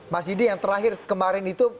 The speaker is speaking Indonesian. mas didi yang terakhir kemarin itu